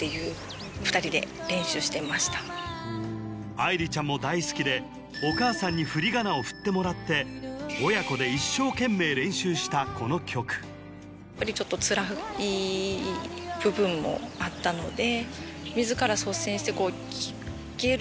愛梨ちゃんも大好きでお母さんにふりがなを振ってもらって親子で一生懸命練習したこの曲やっぱりちょっとしかし偶然の歌詞にがあったのです